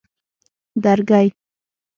درگۍ